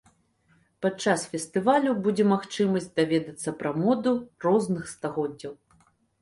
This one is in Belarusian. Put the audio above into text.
Падчас фестывалю будзе магчымасць даведацца пра моду розных стагоддзяў.